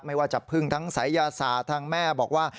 ไม่ว่าจะพึ่งทั้งศัยยศาสตร์ทั้งแม่บอกว่า